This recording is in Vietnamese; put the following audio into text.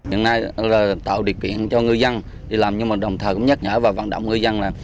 hiện nay là tạo điều kiện cho ngư dân đi làm nhưng mà đồng thời cũng nhắc nhở và vận động ngư dân là